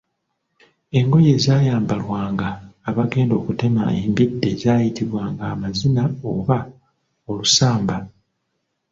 Engoye ezaayambalwanga abagenda okutema embidde zaayitibwanga amaziina oba olusamba.